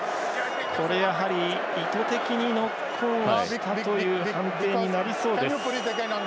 やはり、意図的にノックオンしたという判定になりそうです。